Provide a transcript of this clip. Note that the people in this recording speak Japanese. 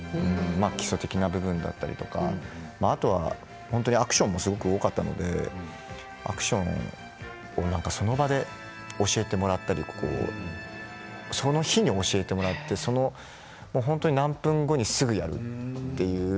基礎的な部分だったりとかアクションもすごく多かったのでその場でアクションを教えてもらってその日に教えてもらって何分後にすぐやるっていう。